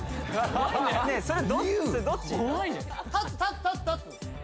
それどっち？